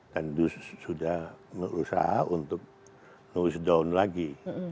dan sudah berusaha untuk nose down lagi